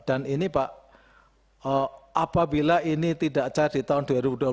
dan ini pak apabila ini tidak cah di tahun dua ribu dua puluh dua